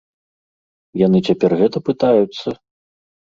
Яны цяпер гэта пытаюцца?